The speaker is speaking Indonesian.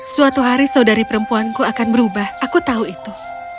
suatu hari saudari perempuanku akan berubah aku tahu itu